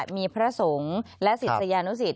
มีพระสงฆ์และศิษยานุสิต